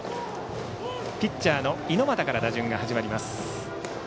ピッチャーの猪俣から打順が始まります。